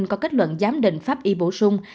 có kết luận giám định pháp y bổ sung